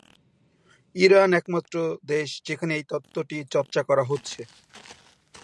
Iran একমাত্র দেশ যেখানে এই তত্ত্বটি চর্চা করা হচ্ছে।